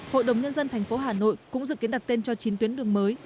hội đồng nhân dân thành phố hà nội cũng dự kiến đặt tên cho chín tuyến đường mới